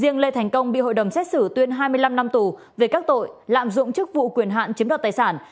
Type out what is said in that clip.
riêng lê thành công bị hội đồng xét xử tuyên hai mươi năm năm tù về các tội lạm dụng chức vụ quyền hạn chiếm đoạt tài sản